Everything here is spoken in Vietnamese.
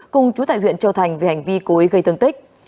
cùng chú tại huyện châu thành về hành vi cối gây thương tích